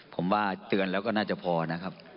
ผมว่าเตือนแล้วก็น่าจะพอนะครับ